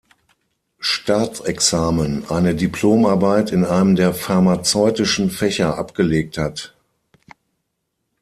Staatsexamen eine Diplomarbeit in einem der pharmazeutischen Fächer abgelegt hat.